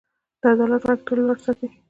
د عدالت غږ تل لوړ ساتئ.